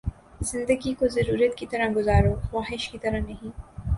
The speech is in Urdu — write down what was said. زندگی کو ضرورت کی طرح گزارو، خواہش کی طرح نہیں